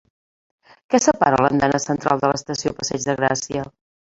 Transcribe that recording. Què separa l'andana central de l'estació Passeig de Gràcia?